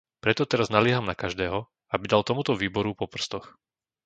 Preto teraz nalieham na každého, aby dal tomuto výboru po prstoch.